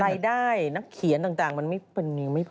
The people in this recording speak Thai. ไลน์ได้นักเขียนต่างมันยังไม่พอ